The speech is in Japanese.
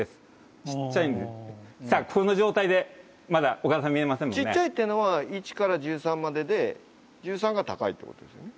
小っちゃいっていうのは１から１３までで１３が高いってことですよね？